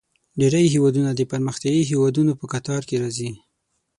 ډیری هیوادونه د پرمختیايي هیوادونو په کتار کې راځي.